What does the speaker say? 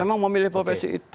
memang memilih profesi itu